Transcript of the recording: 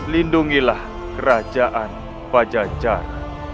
lindungilah kerajaan bajajar